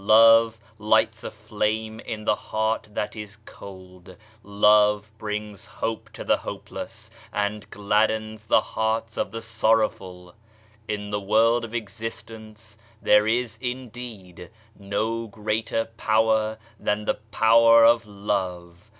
Love lights a flame in the heart that is cold. Love brings hope to the hope less and gladdens the hearts of the sorrowful. In the world of existence there is indeed no greater power than the power of love.